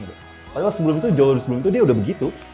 alhamdulillah jauh dari sebelum itu dia udah begitu